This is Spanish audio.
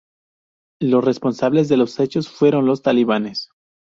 Los responsables de los hechos fueron los talibanes.